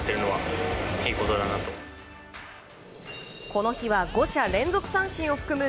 この日は５者連続三振を含む